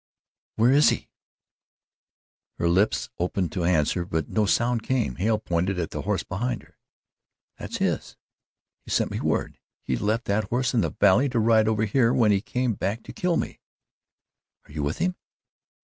"Where is he?" Her lips opened to answer, but no sound came. Hale pointed at the horse behind her. "That's his. He sent me word. He left that horse in the valley, to ride over here, when he came back, to kill me. Are you with him?"